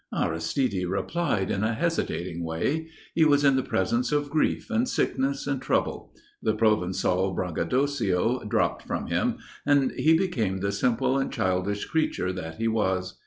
Aristide replied in a hesitating way. He was in the presence of grief and sickness and trouble; the Provençal braggadocio dropped from him and he became the simple and childish creature that he was.